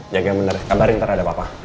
jaga bener kabarin ntar ada apa apa